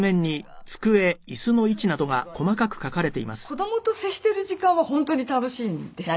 子供と接している時間は本当に楽しいんです。